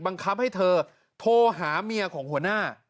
บังคับให้เธอโทรหาเมียของหัวหน้า